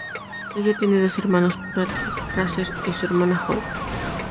Ella tiene dos hermanos, Patrick, Fraser y su hermana Holly.